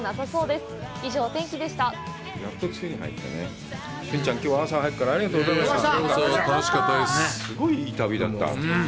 すごいいい旅だった。